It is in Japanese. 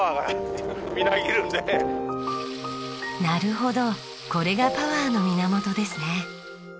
なるほどこれがパワーの源ですね。